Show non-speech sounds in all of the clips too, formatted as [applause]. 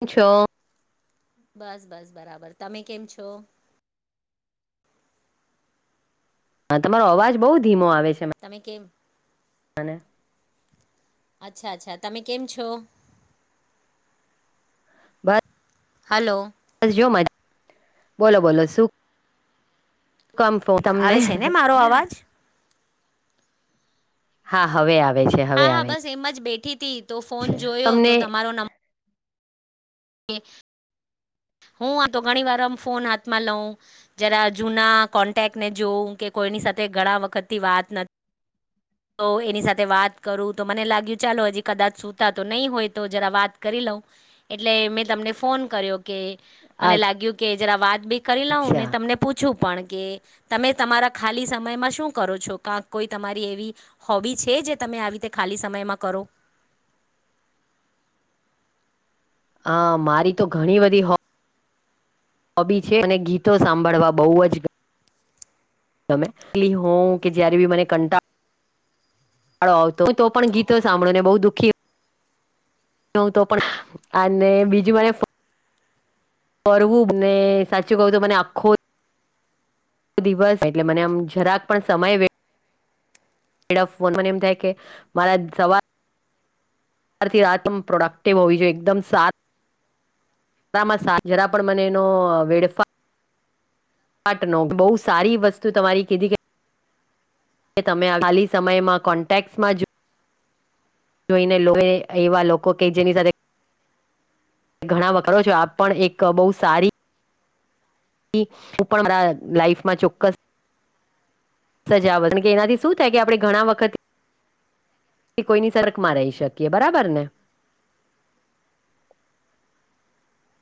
હ છો. બસ બસ બરાબર તમે કેમ છો. હા તમારો અવાજ બઉુ ધીમો આવે. તમે કેમ. અનેને. અચ્છા અચ્છા તમે કેમ છો. બસ હલો બસ જો મજ. બોલો બોલો સુખ. શ કમ ફ તમને. આવે છે ને મારો અવાજ હા હવે આવે. છે હા હવે હા આવે બસ એમ જ બેઠી હતી તો ફોન છે જોયો તો તમને તમારો નંબર. કે હું તો ઘણી વાર આમ ફોન હાથમાં લઉ જરા જુના કોન્ટેક્ટને જોઉં કે. કોઈની સાથે ઘણા વખતથી વાત નથી. તો એની સાથે વાત કરું તો મને લાગ્યું ચાલો હજી કદાચ સુતા તો નહીં હોય તો જરા વાત કરી લઉં. એટલે મેં તમને ફોન કર્યો. કે મને લાગ્યું કે જરા વાત બી કરી લઉં ને અચ્છા તમને પૂછું પણ. કે તમે તમારા ખાલી સમયમાં શું કરો છો ક કોઈ તમારી એવી હોબી છે જે. તમે આવી રીતે ખાલી સમયમાં કરો. હ મારી તો ઘણી બધી હો. હોબી છે અને ગીતો સાંભળવા બહુ જ ગ. તમે એટલી હો કે જ્યારે બી મને કંટાળ. વાળો આવતો હું તો પણ ગીતો સાંભળો ને બહુ દુઃખી. હ તો પણ અને બીજું મને. કરવું ને સાચું કહું તો મને આખો. દિવસ એટલે મને આમ જરાક પણ સમય વે. હેડ ફોન મને એમ થાય કે મારા જવા. બારથી રાતમ પ્રોડક્ટિવ હોવી જોઈએ એકદમ સાર. તામાં જરા પણ મને એનો વેડફા. પાટ ન બહુ સારી વસ્તુ તમારી કીધી કે. હ તમે ખાલી સમયમાં કોન્ટેક્ટ્સમાં જુઓ. જોઈને લોએ એવા લોકો કે જેની સાથે ઘણા વખરો છો આપ પણ એક બહુ સારી હું પણ મારા લાાઈફમાં ચોક્કસ સજાવટ કે એનાથી શું થાય કે આપણે ઘણા વખત કોઈની સરકમાં રહી શકીએ બરાબર ને? [inaudible]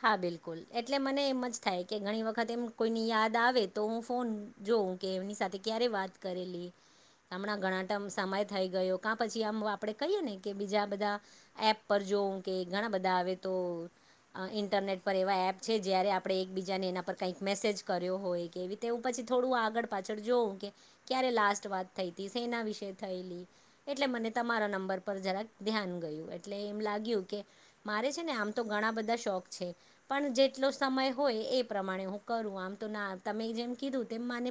હા બિલકુલ એટલે મને એમ જ થાય કે ઘણી વખત એમ કોઈની યાદ આવે તો હું ફોન જો કે એમની સાથે ક્યારે વાત કરેલી. હમણાં ઘણા તામ સમય થઈ ગયો ક પછી આમ આપડે કહીએ ને કે બીજા બધા એપ પર જો કે ઘણા બધા આવે તો અ ઇન્ટરનેટ પર એવા એપ છે જ્યારે આપણે એકબીજાને એના પર કાંઈક મેસેજ કર્યો હોય કેવી તેવું પછી થોડું આગળ પાછળ જોવું કે ક્યારે લાસ્ટ વાત થઈ તી સેના વિશે થયેલી એટલે મને તમારા નંબર પર જરા ધ્યાન ગયું એટલે એમ લાગ્યું કે મારે છે ને આમ તો ઘણા બધા શોખ છે. પણ જેટલો સમય હોય એ પ્રમાણે હું કરું આમ તો ના તમે જેમ કીધું તેમ માને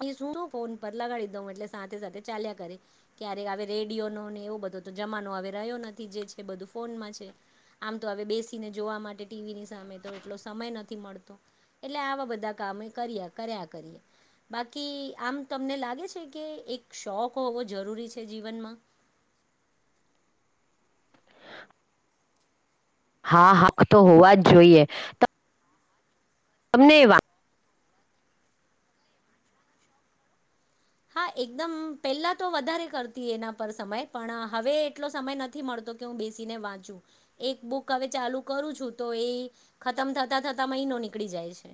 પણ શું ફોન પર લગાડી દઉ એટલે સાથે સાથે ચાલ્યા કરે. ક્યારેક આવે રેડિયો નો એવો બધો જમાનો હવે રહ્યો નથી જે છે બધું ફોનમાં છે. આમ તો હવે બેસીને જોવા માટે ટીવીની સામે તો એટલો સમય નથી મળતો. એટલે આવા બધા કામે કર્યા કર્યા કરીએ. બાકી આમ તમને લાગે છે કે એક શોખ હોવો જરૂરી છે જીવનમાં? [inaudible] હા, હક તો હોવા જ જોઈએ ને વા હા, એકદમ પેલા તો વધારે કરતી એના પર સમય પણ હવે એટલો સમય નથી મળ તો કે હુ બેસીને વાચુ એક બુક હવે ચાલુ કરું છું તો એ ખતમ થતા થતા મહ નો નીકળી જાય છે.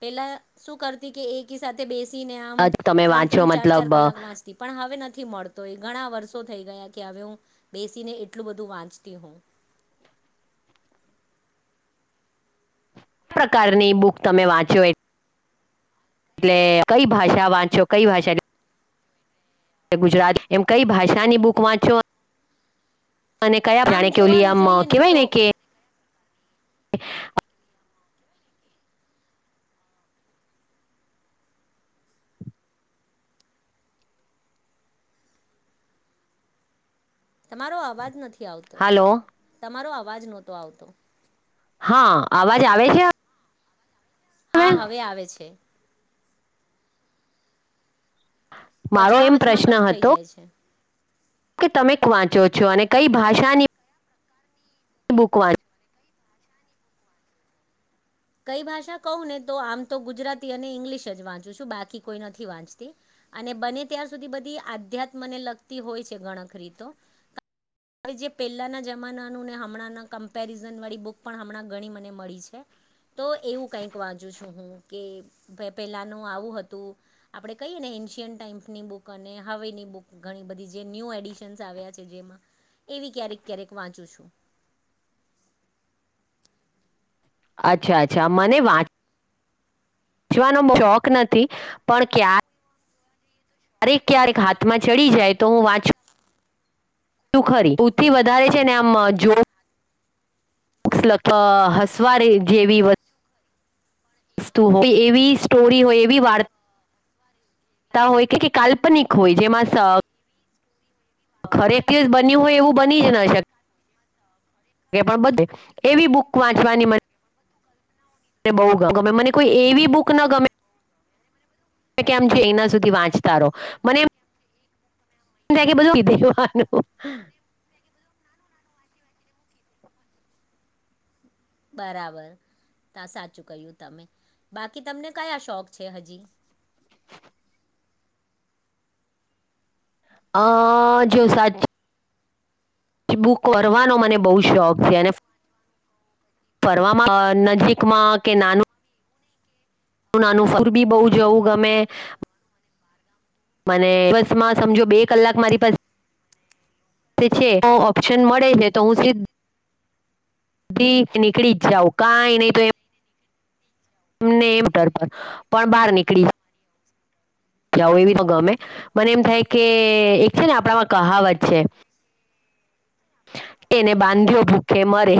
પેલા શું કરતી કે એકી સાથે બેસ તી ને આમ તમે ત્રણ વાંચો ત્રણ ચાર ચાર મતલબ કલાક વાંચતી પણ હવે નથ થી મળતો એ ઘણા વર્ષો થઈ ગયા કે હવે હું બેસીને એટલું બધું વાંચતી હવ. [inaudible] ક પ્રકારની બુક તમે વાંચ્યો? એટલે કઈ ભાષા વાંચો કઈ ભાષા ગુજરાત એમ કઈ ભાષાની બુક વાંચો? અને કયા આમ પ્રાણે કેવું જોવાનું લમ જોઈએ કેવાય તો ને કે [inaudible] તમારો અવાજ નથી આવતો હાલો તમારો અવાજ નહતો આવતો. હા, અવાજ આવે છે? હા, હવે આવે છે. મારો વચમાં એમ વચમાં પ્રશ્ન કટ થઈ હતો જાય છે. કે તમે ક વાંચો છો અને કઈ ભાષાની બુક વાં કઈ ભાષા કહવ ને તો આમ તો ગુજરાતી અને ઈંગ્લિશ જ વાંચું છું બાકી કોઈ નથી વાંચતી. અને બને ત્યાર સુધી બધી આધ્યાત્મને લગતી હોય છે ગણખરીતો. હવે જે પહેલાના જમાનાનું ને હમણાં ના કમ્પેરિઝન વાળી બુક પણ હમણાં ઘણી મને મળી છે. [inaudible] તો એવું કંઈક વાંચુ છું હું કે પેલાનું આવું હતું. આપડે કહીએ ને એશિયન ટાઈમ્સની બુક અને હવે ની બુક ઘણી બધી જે ન્યુ એડિશનસ આવ્યા છે જેમાં એવી ક્યારેક ક્યારેક વાંચું છું. અચ્છા અચ્છા મને વાંચ ચવાનો શોખ નથી પણ કયા ક્યારેક ક્યારેક હાથમાં ચડી જાય તો હું વાંચું. શું ખરી ઉતરી વધારે છે, ને આમ જો. [unintelligible] હસવારે જેવી. વસ્તુ એવી સ્ટોરી હોય એવી વાર તા હોય કે કે કાલ્પનિક હોય જેમાં સ ખરેખ દિવસ બન્યું હોય એવું બની એ ન શક કે પણ બધે એવી બુક વાંચવાની મને મને બહું ગમે મને કોઈ એવી બુક ના ગમે. કેમ કે એના સુધી વાંચતા રહો, મને એમ થાય કે બધું કીધેું હો આનું બરાબર. તા સાચું ક્યું તમે બાકી તમને કયા શોખ છે, હજી? હ જે સાચુ બુક ભરવાનો મને બહુ શોખ છે, અને ફરવામાં નજીકમાં કે નાનું ના અનુસર બી બહુ જવું ગમે. મને બસમાં સમજો બે કલાક મારી પાસે છે તો ઓપ્શન મળે છે, તો હું સિલીપ બધી નીકળી જ જાવ કાંઈ નહી તો એમ એમને એમ ડર પર પણ બહાર નીકળી. [inaudible] જાવું એવી તો ગમે મને એમ થાય કે એક છે, ને આપણામાં કહાવત છે. એને બાંધ્યો ભૂખે મરે.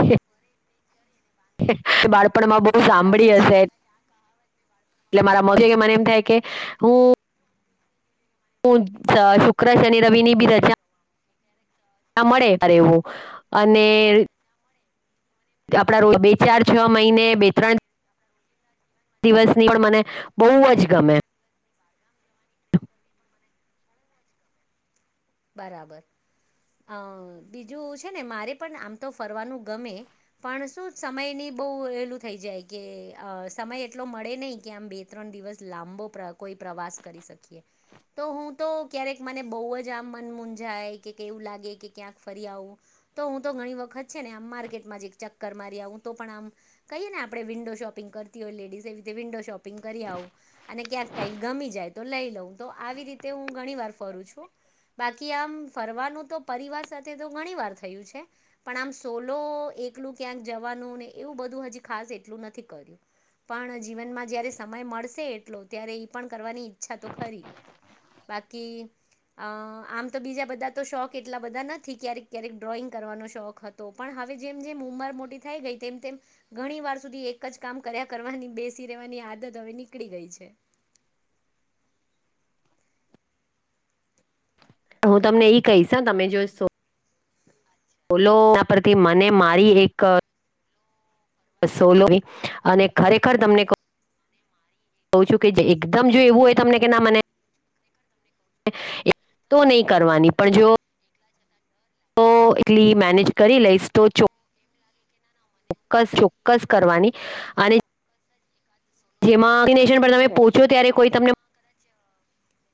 પણમાં બહુ બરાબર સાંભળી છે હશે. એટલે મારા મો મને એમ થાય કે હું હું સ શુક્ર શનિ રવિની બી રજા ના મળે ત્યારે એવું અને આપડા રોજ બે ચાર છ મહિને બે ત્રણ દિવસની પણ મને બહુ જ ગમે. બરાબર. અહ બીજું છે ને મારે પણ આમ તો ફરવાનું ગમે પણ શું સમયની બહુ એલું થઈ જાય કે અહ સમય એટલો મળે નહી કે આમ બે ત્રણ દિવસ લાંબો પ્ર કોઈ પ્રવાસ કરી શકીએ તો હું તો ક્યારેક મને બહુ જ. જ્યાં મન મુંજાય કે કેવું લાગે કે ક્યાંક ફરી આવું તો હું તો ઘણી વખત છે ને આમ માર્કેટ માં જ એક ચક્કર મારી આવું તો પણ આમ કહીએ ને આપણે વિન્ડો શોપિંગ કરતી હોય લેડીઝ એ રીતે વિન્ડો શોપિંગ કરી આવું અને ક્યાંક કંઈક ગમી જાય તો લઈ લઉં તો આવી રીતે હું ઘણી વાર ફરું છું. બાકી આમ ફરવાનું તો પરિવાર સાથે તો ઘણી વાર થયું છે, પણ આમ સોલો. એકલું ક્યાંક જવાનું ને એવું બધું હજી ખાસ એટલું નથી કર્યું. પણ જીવનમાં જયારે સમય મળશે એટલો ત્યારે એ પણ કરવાની ઈચ્છા તો ખરી. બાકી અહ આમ તો બીજા બધા તો શોખ એટલા બધા નથી ક્યારેક ક્યારેક ડ્રોઈંગ કરવાનો શોખ હતો પણ હવે જેમ જેમ હું ઉંમર મોટી થાય ગઈ તેમ તેમ ઘણી વાર સુધી એક જ કામ કર્યા કરવાની બેસી રહેવાની આદત હવેની નીકળી ગઈ છે. હું તમને ઈ કહીશ હ તમે જોઈ શો, બોલો એના પરથી મને મારી એક સોલો અને ખરેખર તમને કહું કઉ છું કે જે એકદમ જો એવું હોય તમને કે ના મને એ તો નહીં કરવાની પણ જો તો એટલી મેનેજ કરી લઈશ તો ચો ચોક્કસ ચોક્કસ કરવાની અને જેમાં વેક્સિનેશન પર તમે પહોંચો ત્યારે કોઈ તમને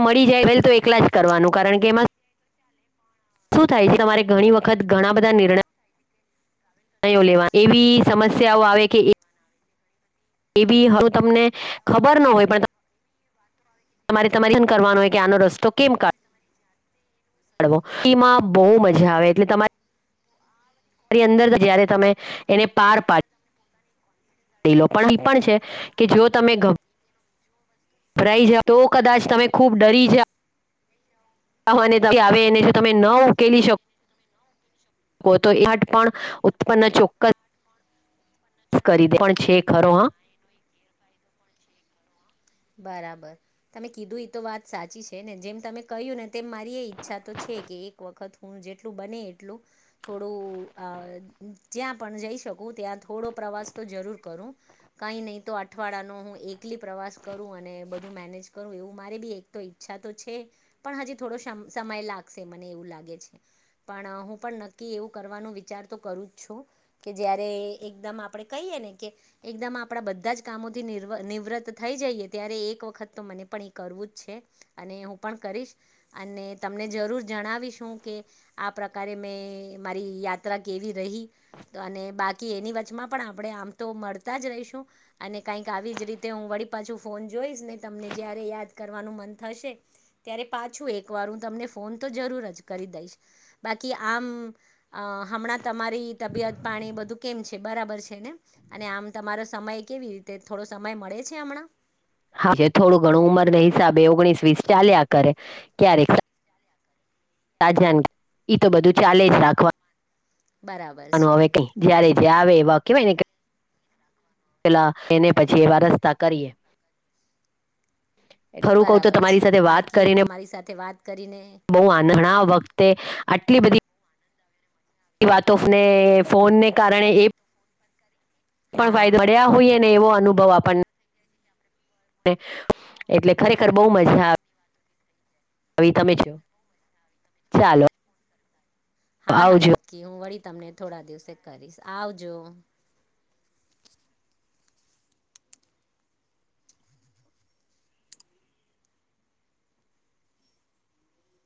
મળી જાય વેલ તો એકલા જ કરવાનું કારણ કે એમાં શું થાય છે તમારે ઘણી વખત ઘણા બધા નિર્ણ યો લેવા એવી સમસ્યાઓ આવે કે એ એ બી હવેું તમને ખબર ન હોય પણ. તમારે તમારી એન કરવાનું હોય કે આનો રસ્તો કેમ કાઢો. એીમાં બહુ મજા આવે એટલે તમારે. તમારી અંદર જય્યારે તમે એને પાર પાડ. લો પણ એ પણ છે કે જો તમે. ભરાઈ જાઓ તો કદાચ તમે ખૂબ ડરી જાઓ. ને આવે એને જો તમે ન ઉકેલી શકો. લોકો તો [unintelligible] પણ ઉત્પન્ન ચોક્ક કરી દે પણ છે ખરો હા. બરાબર તમે કીધું એ તો વાત સાચી છે ને જેમ તમે કહ્યું ને તેમ મારી એ ઈચ્છા તો છે. એક એ એક વખત હું જેટલું બને એટલું થોડું અહ જ્યાં પણ જઈ શકું. હું ત્યાં થોડો પ્રવાસ તો જરૂર કરું કઈ નહી તો અઠવાડ નો હું એકલી પ્રવાસ કરું અને બધું મેનેજ કરું એવું મારી બી એક તો ઈચ્છા તો છે પણ હજી થોડો શમ સમય લાગ સે મને એવું લાગે છે. પણ હું પણ નક્કી એવું કરવાનો વિચાર તો કરું જ છું કે જયારે એકદમ આપડે કઈએ કેને કે એકદમ આપણા બધા જ કામોથી નીરવ નિવૃત થઈ જઈએ ત્યારે એક વખત તો મને પણ એ કરવું જ છે અને હું પણ કરીશ અને તમ ને જરૂર જણાવીશું કે આ પ્રકારે મેં મારી યાત્રા કેવી રહી. અને બાકી એની વચચમાં પણ આપણે આમ તો મળતા જ રહીશું અને કઈક આવી જ રીતે હું વળી. પાછું ફોન જોઈશ ને તમને જયારે યાદ કરવાનું મન થશે ત્યારે પાછું એક વાર હું તમને. ફોન તો જરૂર જ કરી દઈશ બાકી આમ હમણાં તમારી તબિયત. પાણી એ બધું કેમ છે બરાબર છે ને અને આમ તમારો સમય કેવી રીતે થોડો સમય મળે છે હમણાં. હા થોડું ઘણું ઉંમરના હિસાબે ઓગણીસ વીસ ચાલ્યા કરે ક્યારેક. રાજન ઈ તો બધું ચાલે જ રાખવા. બરાબર વાનું છે હવે કઈ જયારે જ આવે એવા કેહેવાય ને. પેલા એને પછી એ વા રસ્તા કરીએ. ખરું કઉ તો બરાબર તમારી છે સાથે વાત બાકી કરીને તમારી સાથે વાત. કરીને બહુ આંધણા વખતે આટલી બધી. એ વાતોને ફોનને કારણે એ. પણ હા ફાયદો મળ્યા હોઈએ ને એવો અનુભવ આપણને. એટલે ખરેખર બહુ મજા આવે. હ તમે છ ચાલો. હા હા આવજો નક્કી હું વળી તમને થોડા દિવસે કરીશ આવજો.